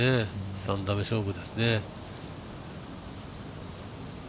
３打目勝負ですね。